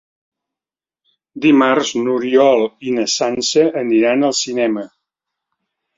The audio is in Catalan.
Dimarts n'Oriol i na Sança aniran al cinema.